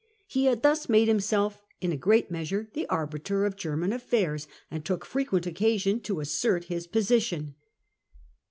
He had thus made himself in a great measure the arbiter of German affairs, and took frequent occasion to assert his position.